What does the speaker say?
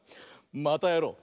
またやろう！